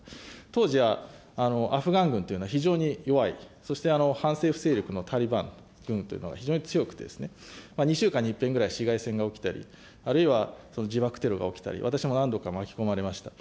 当時、アフガン軍というのは非常に弱い、そして反政府勢力のタリバン軍というのが非常に強くて、２週間にいっぺんぐらい市街戦が起きたり、あるいは自爆テロが起きたり、私も何度か巻き込まれました。